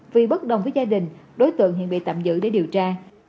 vì bất đồng với gia đình đối tượng hiện bị tạm giữ để điều tra